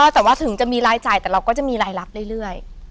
แต่ว่าถึงจะมีรายจ่ายแต่เราก็จะมีรายรับเรื่อย